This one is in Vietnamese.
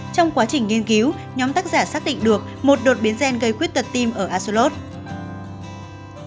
trong quá trình nghiên cứu nhóm tác giả xác định được một đột biến gen gây khuyết tật tim ở asollot